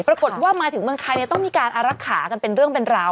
ปรากฏว่ามาถึงเมืองไทยต้องมีการอารักษากันเป็นเรื่องเป็นราว